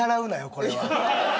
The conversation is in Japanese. これは。